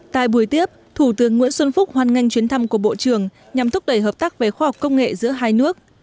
tại buổi tiếp thủ tướng nguyễn xuân phúc hoan nghênh chuyến thăm của bộ trưởng nhằm thúc đẩy hợp tác về khoa học công nghệ giữa hai nước